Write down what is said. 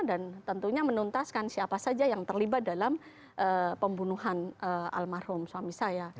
dan tentunya menuntaskan siapa saja yang terlibat dalam pembunuhan almarhum suami saya